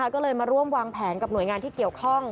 ก็เลยมาร่วมวางแผนกับหน่วยงานที่เกี่ยวข้อง